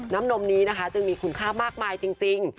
นมนี้นะคะจึงมีคุณค่ามากมายจริง